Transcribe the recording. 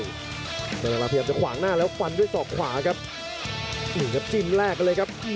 และกำลังพยายามจะขวางหน้าแล้วฟันด้วยสอบขวาครับ๑กับจิ้นแรกเลยครับ